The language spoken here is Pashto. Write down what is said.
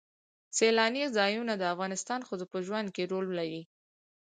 سیلانی ځایونه د افغان ښځو په ژوند کې رول لري.